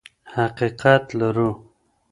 حقیقت لرو.